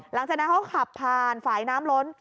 หลังจากนั้นเขาขับผ่านฝ่ายน้ำล้น